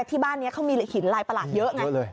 ที่บ้านนี้เขามีหินลายประหลาดเยอะไง